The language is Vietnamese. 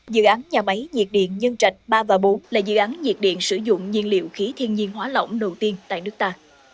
dự án nhà máy nhiệt điện nhân trạch ba và bốn là dự án nhiệt điện sử dụng nhiên liệu khí thiên nhiên hóa lỏng đầu tiên tại nước ta